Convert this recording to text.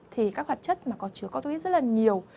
thì các hoạt chất mà có chứa có thuốc ít rất là nhiều